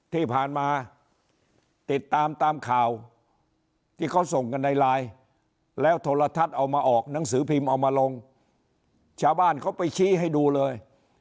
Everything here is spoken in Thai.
ที่ผ่านมาติดตามตามข่าวที่เขาส่งกันในไลน์แล้วโทรทัศน์เอามาออกหนังสือพิมพ์เอามาลงชาวบ้านเขาไปชี้ให้ดูเลย